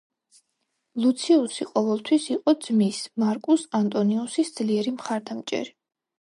ლუციუსი ყოველთვის იყო ძმის, მარკუს ანტონიუსის ძლიერი მხარდამჭერი.